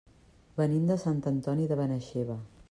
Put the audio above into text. Venim de Sant Antoni de Benaixeve.